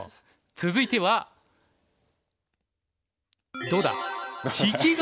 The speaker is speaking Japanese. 続いてはどうだ。